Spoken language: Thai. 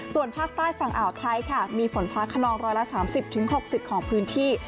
ส่วนภาคใต้ฝั่งอ่าวไทยค่ะมีฝนฟ้าขนองร้อยละ๓๐๖๐ของพื้นที่